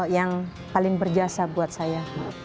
yang paling berjasa buat saya